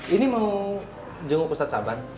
ini mau jenguk pusat saban